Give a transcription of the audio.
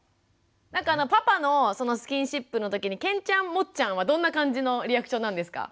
なんかパパのそのスキンシップのときにけんちゃんもっちゃんはどんな感じのリアクションなんですか？